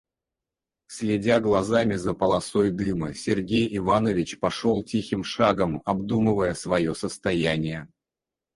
Следя глазами за полосой дыма, Сергей Иванович пошел тихим шагом, обдумывая свое состояние.